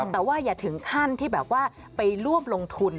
แต่ว่าอย่าถึงขั้นที่แบบว่าไปร่วมลงทุน